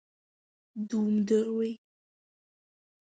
Думдыруеи…